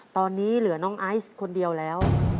ตอนนี้เหลือน้องไอซ์คนเดียวแล้ว